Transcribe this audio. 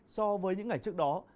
so với những ngày trước đó